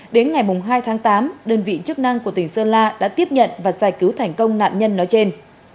đến ngày hai tháng tám đơn vị chức năng của tỉnh sơn la đã tiếp nhận và giải cứu thành công nạn nhân nói trên